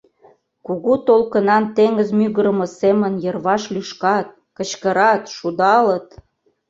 Кугу толкынан теҥыз мӱгырымӧ семын йырваш лӱшкат, кычкырат, шудалыт.